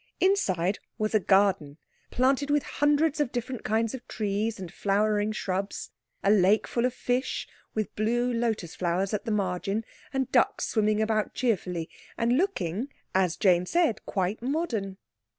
Inside was a garden, planted with hundreds of different kinds of trees and flowering shrubs, a lake full of fish, with blue lotus flowers at the margin, and ducks swimming about cheerfully, and looking, as Jane said, quite modern.